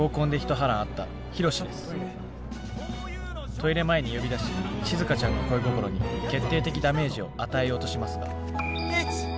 トイレ前に呼び出ししずかちゃんの恋心に決定的ダメージを与えようとしますが。